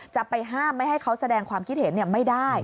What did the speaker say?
จะไปห้ามไม่ให้เขาแสดงความคิดเห็นไม่ได้